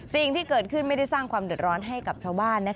สิ่งที่เกิดขึ้นไม่ได้สร้างความเดือดร้อนให้กับชาวบ้าน